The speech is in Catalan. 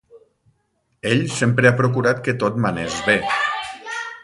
Ell sempre ha procurat que tot m'anés bé.